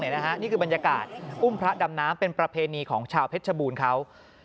นี่คือบรรยากาศอุ้มพระดำน้ำเป็นประเพณีของชาวเพชรชบูรณ์เขา